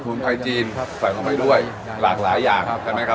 สมุนไพรจีนใส่ออกไปด้วยหลากหลายอย่างครับ